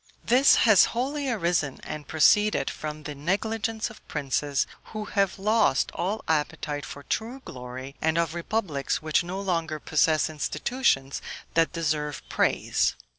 This has wholly arisen and proceeded from the negligence of princes, who have lost all appetite for true glory, and of republics which no longer possess institutions that deserve praise.